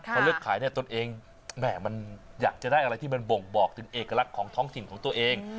พอเลือกขายเนี่ยตนเองแหม่มันอยากจะได้อะไรที่มันบ่งบอกถึงเอกลักษณ์ของท้องถิ่นของตัวเอง